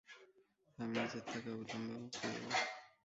আমি নিজের তাকে অবিলম্বে মুক্তি দিবো।